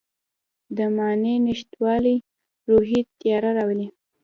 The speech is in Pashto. د معنی نشتوالی روحي تیاره راولي.